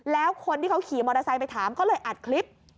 แล้วคนที่เขาขี่มอเตอร์ไซค์ไปถามก็เลยอัดคลิป